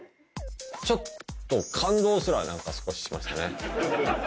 ちょっと感動すら、なんか少ししましたね。